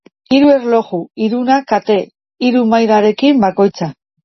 Hiru erloju, hiruna kate, hiru mailarekin bakoitza.